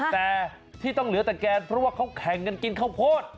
แต่ที่ต้องเหลือแต่แกนเพราะว่าเขาแข่งกันกินข้าวโพด